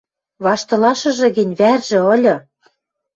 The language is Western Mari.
Ваштылашыжы гӹнь вӓржӹ ыльы